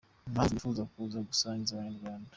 Impamvu yifuza kuza gusangiza Abanyarwanda.